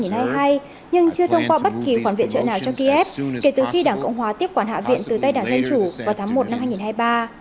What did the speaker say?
nhưng chưa thông qua bất kỳ khoản viện trợ nào cho kiev kể từ khi đảng cộng hòa tiếp quản hạ viện từ tay đảng dân chủ vào tháng một năm hai nghìn hai mươi ba